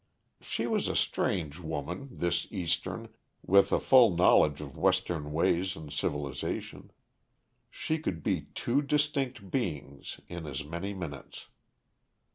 She was a strange woman, this Eastern, with a full knowledge of Western ways and civilization. She could be two distinct beings in as many minutes.